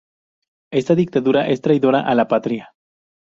Esta dictadura es traidora a la Patria.